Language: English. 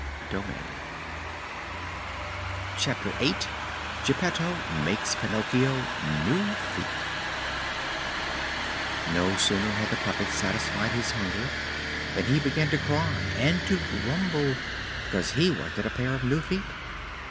CHAPTER VIII GEPPETTO MAKES PINOCCHIO NEW FEET No sooner had the puppet satisfied his hunger than he began to cry and to grumble because he wanted a pair of new feet.